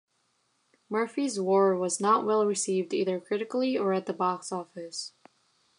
"Murphy's War" was not well received either critically or at the box office.